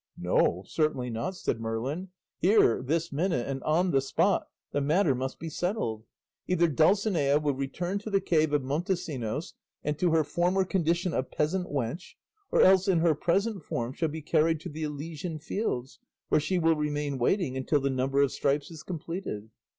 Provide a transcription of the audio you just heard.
"No, certainly not," said Merlin; "here, this minute, and on the spot, the matter must be settled; either Dulcinea will return to the cave of Montesinos and to her former condition of peasant wench, or else in her present form shall be carried to the Elysian fields, where she will remain waiting until the number of stripes is completed."